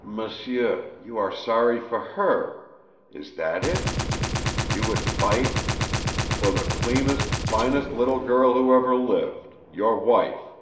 "M'sieu, you are sorry for HER. Is that it? You would fight " "For the cleanest, finest little girl who ever lived your wife!"